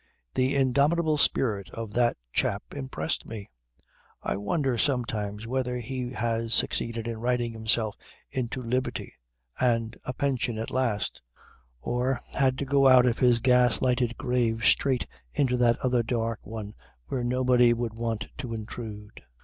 The indomitable spirit of that chap impressed me. I wonder sometimes whether he has succeeded in writing himself into liberty and a pension at last, or had to go out of his gas lighted grave straight into that other dark one where nobody would want to intrude.